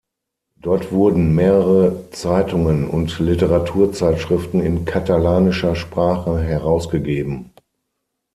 Dort wurden mehrere Zeitungen und Literaturzeitschriften in katalanischer Sprache herausgegeben.